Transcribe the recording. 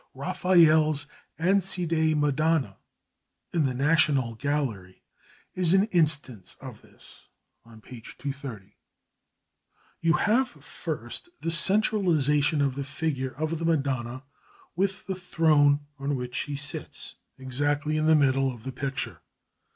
Raphael's "Ansidei Madonna," in the National Gallery, is an instance of this (p. 230). You have first the centralisation of the figure of the Madonna with the throne on which she sits, exactly in the middle of the picture.